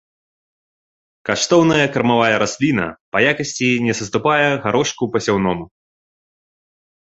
Каштоўная кармавая расліна, па якасці не саступае гарошку пасяўному.